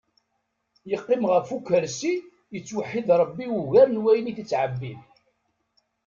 Yeqqim ɣef ukarsi, yettweḥid ṛebbi ugar n wayen it-yettɛebbid.